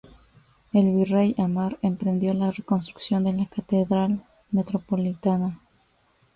El virrey Amar emprendió la reconstrucción de la Catedral Metropolitana.